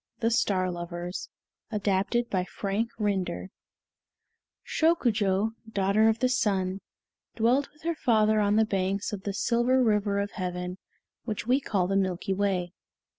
THE STAR LOVERS ADAPTED BY FRANK RINDER Shokujo, daughter of the Sun, dwelt with her father on the banks of the Silver River of Heaven, which we call the Milky Way.